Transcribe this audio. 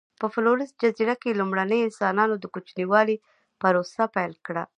په فلورس جزیره کې لومړنیو انسانانو د کوچنیوالي پروسه پیل کړه.